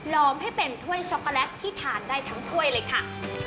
อมให้เป็นถ้วยช็อกโกแลตที่ทานได้ทั้งถ้วยเลยค่ะ